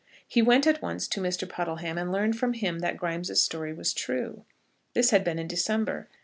He went at once to Mr. Puddleham, and learned from him that Grimes' story was true. This had been in December.